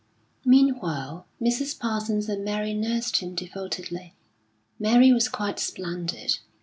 Meanwhile, Mrs. Parsons and Mary nursed him devotedly. Mary was quite splendid.